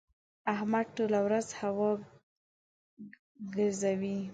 احمد ټوله ورځ هوا ګزوي.